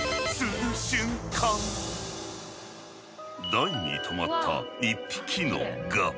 台に止まった１匹のガ。